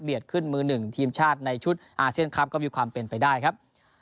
ขึ้นมือหนึ่งทีมชาติในชุดอาเซียนคลับก็มีความเป็นไปได้ครับ